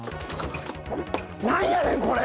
なんやねんこれ！